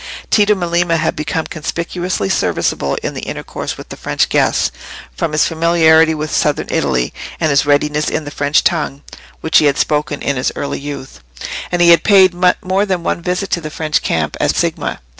Tito Melema had become conspicuously serviceable in the intercourse with the French guests, from his familiarity with Southern Italy, and his readiness in the French tongue, which he had spoken in his early youth; and he had paid more than one visit to the French camp at Signa.